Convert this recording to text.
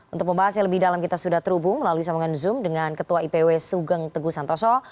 untuk membahas yang lebih dalam kita sudah terhubung melalui sambungan zoom dengan ketua ipw sugeng teguh santoso